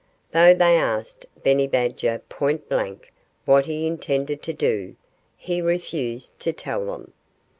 Though they asked Benny Badger point blank what he intended to do, he refused to tell them.